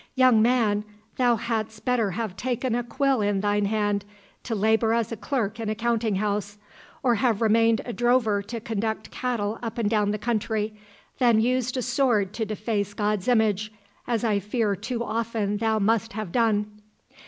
"Young man, thou hadst better have taken a quill in thine hand, to labour as a clerk in a counting house, or have remained a drover to conduct cattle up and down the country, than used a sword to deface God's image, as I fear too often thou must have done."